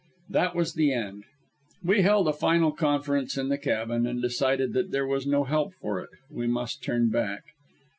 That was the end. We held a final conference in the cabin and decided that there was no help for it we must turn back.